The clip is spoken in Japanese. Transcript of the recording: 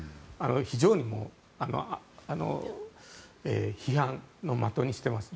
非常に批判の的にしています。